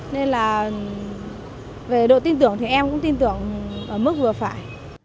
nên là về độ tin tưởng thì em cũng tin tưởng ở mức vừa phải